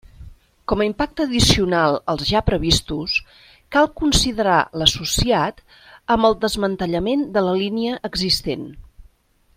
Com a impacte addicional als ja previstos, cal considerar l'associat amb el desmantellament de la línia existent.